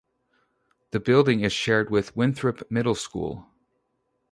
The building is shared with Winthrop Middle School.